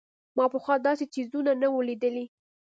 ما پخوا داسې څيزونه نه وو لېدلي.